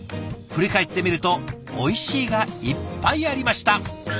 振り返ってみると「おいしい」がいっぱいありました。